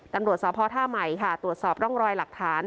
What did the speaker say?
ตำรวจสพท่าใหม่ค่ะตรวจสอบร่องรอยหลักฐาน